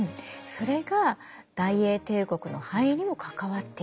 それが大英帝国の繁栄にも関わっている。